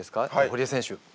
堀江選手。